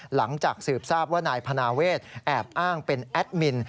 หลังจากสืบทราบว่านายพนาเวทแอบอ้างเป็นแอดมิน